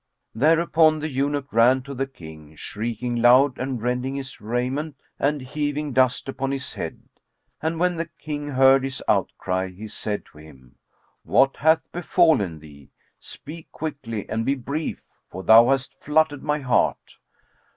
Thereupon the eunuch ran to the King, shrieking loud and rending his raiment and heaving dust upon his head; and when the King heard his outcry, he said to him, "What hath befallen thee?: speak quickly and be brief; for thou hast fluttered my heart."